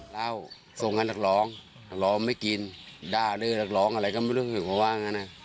ราวส่งให้นักร้องนักร้องไม่กินด้าดื้อนักร้องอะไรก็ไม่รู้ว่าว่าอย่างนั้น